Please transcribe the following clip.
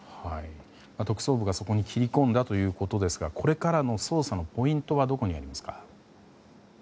特捜部がそこに切り込んだということですがこれからの捜査のポイントはどこにありますか。